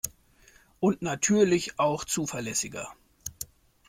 Und natürlich auch zuverlässiger.